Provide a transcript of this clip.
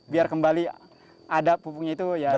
biar kembali ada pupuknya itu ya